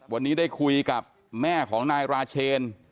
วันนี้ได้คุยกับแม่ของนายราเชน